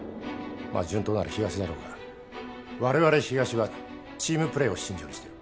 まあ順当なら東だろうが我々東はチームプレーを信条にしている。